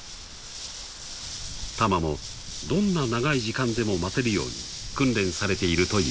［タマもどんな長い時間でも待てるように訓練されているという］